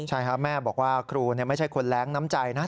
ใช่ค่ะแม่บอกว่าครูเนี่ยไม่ใช่คนแร้งน้ำใจนะ